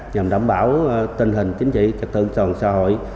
nhằm đảm bảo tình hình chính trị trật tự toàn xã hội